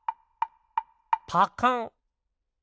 パカン！